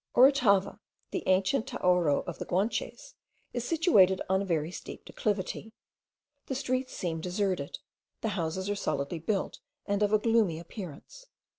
Orotava, the ancient Taoro of the Guanches, is situated on a very steep declivity. The streets seem deserted; the houses are solidly built, and of a gloomy appearance.